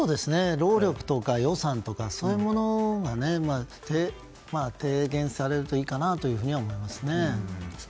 労力とか予算とかそういうものが提言されるといいかなと思いますね。